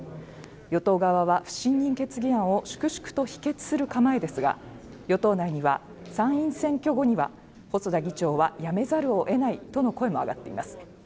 与党側は不信任決議案を粛々と否決する構えですが与党内には参院選挙後には細田議長は辞めざるを得ないとの声も上がっています